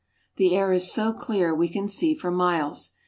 The air is so clear we can see for miles.